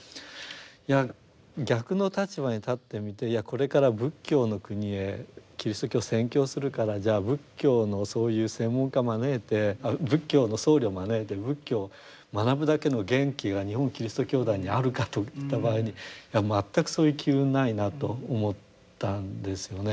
いや逆の立場に立ってみてこれから仏教の国へキリスト教を宣教するからじゃあ仏教のそういう専門家を招いて仏教の僧侶を招いて仏教を学ぶだけの元気が日本基督教団にあるかといった場合にいや全くそういう機運ないなと思ったんですよね。